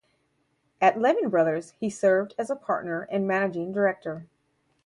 At Lehman Brothers, he served as a Partner and Managing Director.